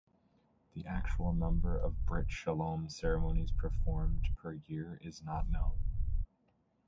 The actual number of brit shalom ceremonies performed per year is not known.